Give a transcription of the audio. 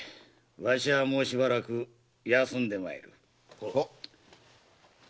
わしはもうしばらく休んでまいる。